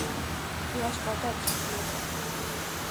— Quyosh botadi, shoshmay tur.